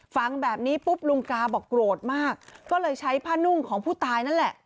ฟังแบบนี้ปุ๊บลุงกาบอกโกรธมากก็เลยใช้ผ้านุ่งของผู้ตายนั่นแหละ